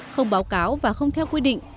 không báo cáo và không theo quy định